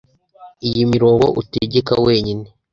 iyi mirongo utegeka wenyine